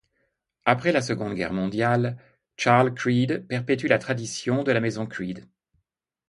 Après la Seconde Guerre mondiale, Charles Creed perpétue la tradition de la maison Creed.